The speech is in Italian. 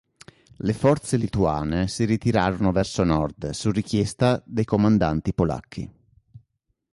Le forze lituane si ritirarono verso nord, su richiesta dei comandanti polacchi.